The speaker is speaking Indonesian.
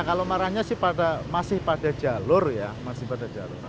kalau marahnya ya kalau marahnya sih masih pada jalur ya